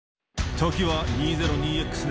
時は２０２Ｘ年。